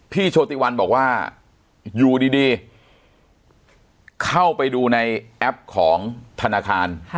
โชติวันบอกว่าอยู่ดีเข้าไปดูในแอปของธนาคาร